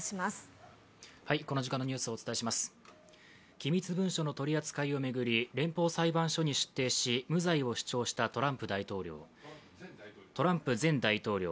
機密文書の取り扱いを巡り連邦裁判所に出廷し無罪を主張したトランプ前大統領。